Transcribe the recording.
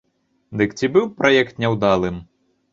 Дык ці быў праект няўдалым?